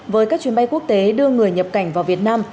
với các chuyến bay quốc tế đưa người nhập cảnh vào việt nam